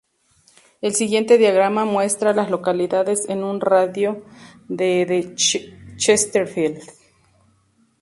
El siguiente diagrama muestra a las localidades en un radio de de Chesterfield.